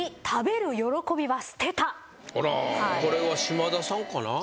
これは嶋田さんかな？